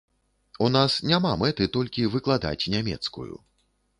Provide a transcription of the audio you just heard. У нас няма мэты толькі выкладаць нямецкую.